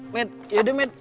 met yaudah met